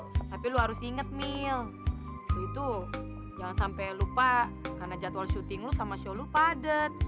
tapi lu harus inget mil lo itu jangan sampai lupa karena jadwal syuting lo sama show lo padat